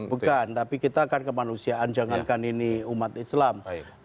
bukan tapi kita kan kemanusiaan jangankan ini umat islam